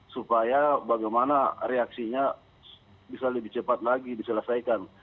supaya bagaimana reaksinya bisa lebih cepat lagi diselesaikan